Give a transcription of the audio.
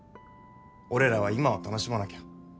俺らは今を楽しまなきゃ。